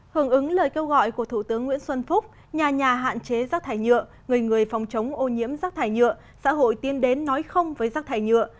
hưởng ứng lời kêu gọi của thủ tướng nguyễn xuân phúc nhà nhà hạn chế rác thải nhựa người người phòng chống ô nhiễm rác thải nhựa xã hội tiến đến nói không với rác thải nhựa